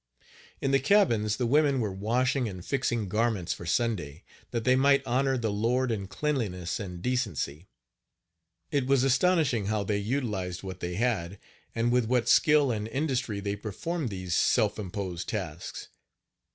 In the cabins the women were washing and fixing garments for Sunday, that they might honor the Lord in cleanliness and decency. It was astonishing how they utilized what they had, and with what skill and industry they performed these self imposed tasks.